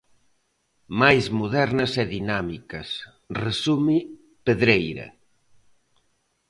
"Máis modernas e dinámicas", resume Pedreira.